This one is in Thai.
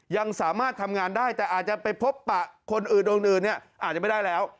ยังสามารถทำงานได้แต่อาจจะไปพบปะคนอื่นอาจจะไม่ได้แล้ว